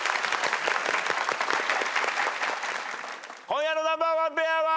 今夜のナンバーワンペアは。